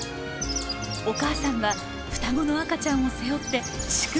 お母さんは双子の赤ちゃんを背負って四苦八苦。